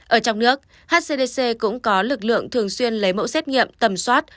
ở trong nước hcdc cũng có lực lượng thường xuyên lấy mẫu xét nghiệm tầm soát